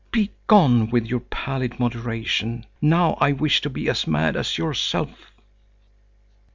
Begone with your pallid moderation! Now I wish to be as mad as yourself."